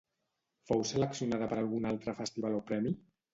Fou seleccionada per algun altre festival o premi?